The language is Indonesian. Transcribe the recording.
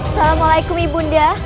salamualaikum ibu unda